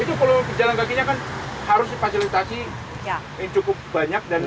itu kalau berjalan kakinya kan harus dipasilitasi yang cukup banyak